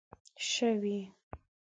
شوې